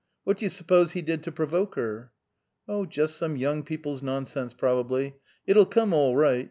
What do you suppose he did to provoke her?" "Oh, just some young people's nonsense, probably. It'll come all right.